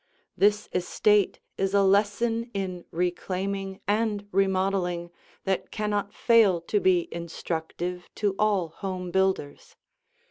This estate is a lesson in reclaiming and remodeling that cannot fail to be instructive to all home builders.